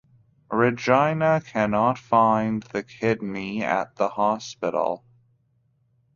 Regina cannot find the kidney at the hospital.